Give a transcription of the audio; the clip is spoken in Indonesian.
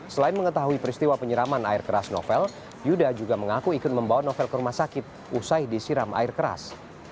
selain mengetahui peristiwa penyeraman air keras novel yuda juga mengaku ikut membawa novel kermasakit usai disiram air keras